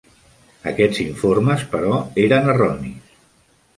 Aquests informes, però, eren erronis.